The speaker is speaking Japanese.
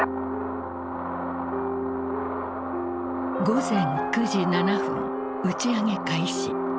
午前９時７分打ち上げ開始。